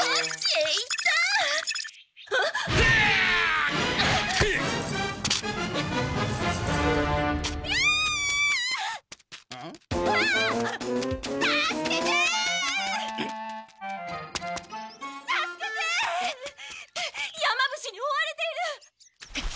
えっ？山伏に追われている！